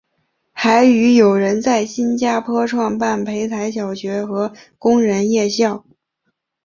还与友人在新加坡创办培才小学和工人夜校。